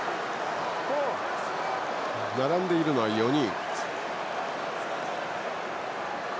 並んでいるのは４人。